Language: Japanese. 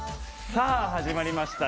さあ、始まりました。